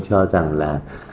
cho rằng là